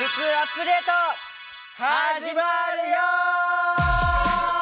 始まるよ。